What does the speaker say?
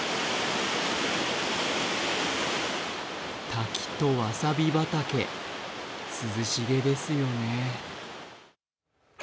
滝とわさび畑、涼しげですよね。